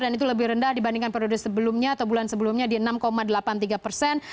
itu lebih rendah dibandingkan periode sebelumnya atau bulan sebelumnya di enam delapan puluh tiga persen